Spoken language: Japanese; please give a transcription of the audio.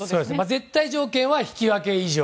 絶対条件は引き分け以上。